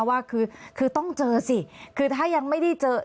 ว่าคือต้องเจอสิคือถ้ายังไม่ได้เจอ